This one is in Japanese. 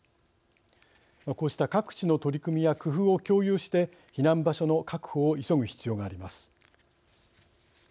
こうした各地の取り組みや工夫を共有して避難場所の確保を急ぐ必要があります。